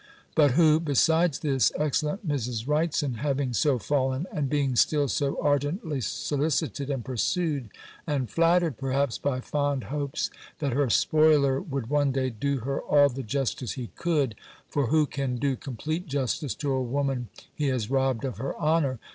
But who, besides this excellent Mrs. Wrightson, having so fallen, and being still so ardently solicited and pursued, (and flattered, perhaps, by fond hopes, that her spoiler would one day do her all the justice he could for who can do complete justice to a woman he has robbed of her honour?)